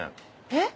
えっ！